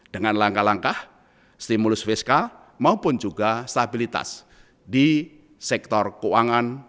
dengan langkah langkah stimulus fiskal maupun juga stabilitas di sektor keuangan